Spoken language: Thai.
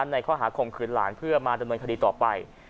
ในข้อหาข่มขืนหลานเพื่อมาดำเนินคดีต่อไป